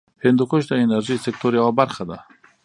هندوکش د انرژۍ سکتور یوه برخه ده.